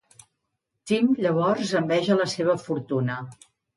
Tim llavors enveja la seva fortuna.